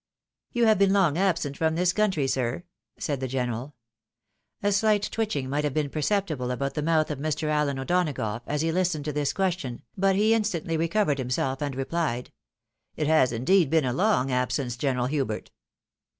" You have been long absent from this country, sir? " said the general. A slight twitching might have been perceptible about the mouth of Mr. Allen O'Donagough, as he listened to this ques tion, but he instantly recovered himself and replied, " It has indeed been a long absence. General Hubert."